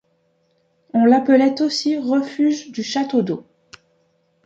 On l'appelait aussi refuge du Château d'eau.